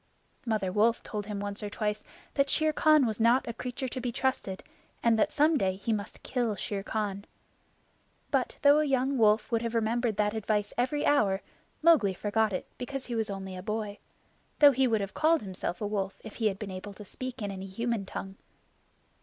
Mother Wolf told him once or twice that Shere Khan was not a creature to be trusted, and that some day he must kill Shere Khan. But though a young wolf would have remembered that advice every hour, Mowgli forgot it because he was only a boy though he would have called himself a wolf if he had been able to speak in any human tongue.